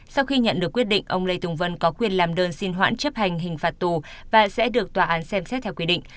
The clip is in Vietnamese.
sau khi nhận được quyết định ông lê tùng vân có quyền làm đơn xin hoãn chấp hành hình phạt tù và sẽ được tòa án xem xét theo quy định